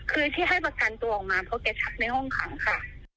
คือที่ให้ประกันตัวออกมาเพราะแกชักในห้องขังค่ะ